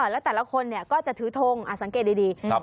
แล้วแต่ละคนก็จะถือทงสังเกตดี